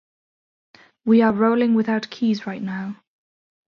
We are rolling without keys right now.